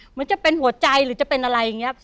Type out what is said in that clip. เหมือนจะเป็นหัวใจหรือจะเป็นอะไรอย่างนี้